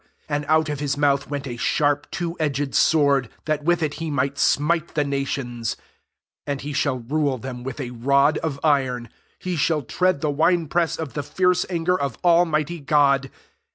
15 And out of his mouHh went a sharp two edged sword, that with it he might smite the nations^ and he shall rule them with a rod of iron : he shall tread the wine press of the fierce anger of Almighty God.